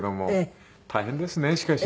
大変ですねしかし。